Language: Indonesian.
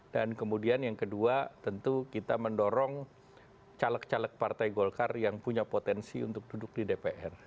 dan kemudian yang kedua tentu kita mendorong caleg caleg partai golkar yang punya potensi untuk duduk di dpr